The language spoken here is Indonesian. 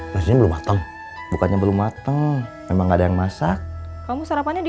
nasinya belum matang bukannya belum matang memang ada yang masak kamu sarapannya di